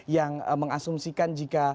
yang mengasumsikan jika